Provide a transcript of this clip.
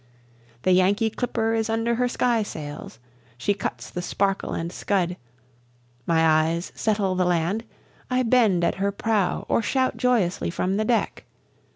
The Yankee clipper is under her sky sails, she cuts the sparkle and scud, My eyes settle the land, I bend at her prow or shout joyously from the deck.